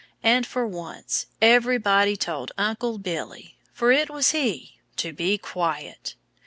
And for once everybody told Uncle Billy (for it was he!) to be quiet.